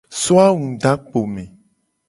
So angu do akpo me.